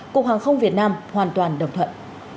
cục hoàng không việt nam hoàn toàn đồng thuận